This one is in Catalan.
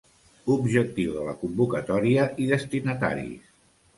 Objectiu de la convocatòria i destinataris.